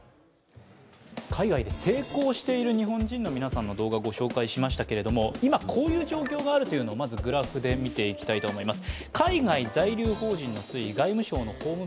海外で成功している日本人の皆さんの動画をご紹介しましたが今、こういう状況があるというのをまずグラフで見ていきたいと思います。